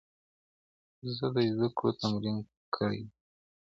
زه د زده کړو تمرين کړی دی!؟